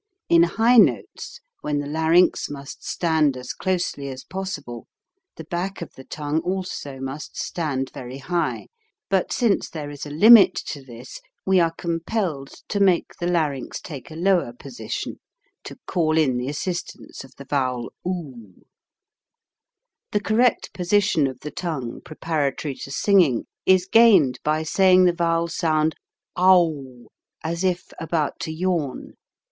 In high notes, when the larynx must stand as closely as possible, the back of the tongue also must stand very high; but since there is a limit to this, we are compelled to make the larynx take a lower position, to call in the assistance of the vowel do. n Correct Incorrect The correct position of the tongue, prepar atory to singing, is gained by saying the vowel sound aou, as if about to yawn.